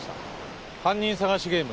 「犯人捜しゲーム」